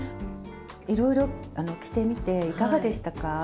いろいろ着てみていかがでしたか？